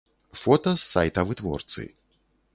Фота з сайта вытворцы.